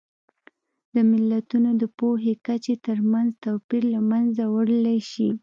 د ملتونو د پوهې کچې ترمنځ توپیر له منځه وړلی شي.